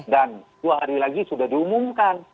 dan dua hari lagi sudah diumumkan